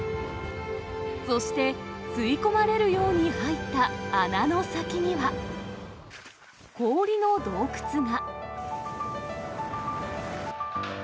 そして吸い込まれるように入った穴の先には、氷の洞くつが。